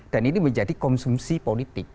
dan ini menjadi konsumsi politik